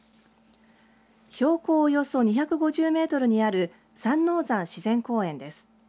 標高およそ２５０メートルにある三王山自然公園です。